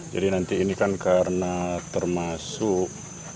jadi nanti ini kan karena termasuk